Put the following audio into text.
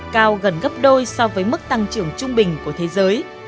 cao gần gấp đôi so với mức tăng trưởng trung bình của thế giới